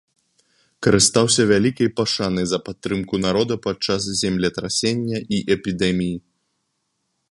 Карыстаўся вялікай пашанай за падтрымку народа падчас землетрасення і эпідэміі.